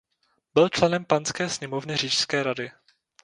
Byl členem Panské sněmovny Říšské rady.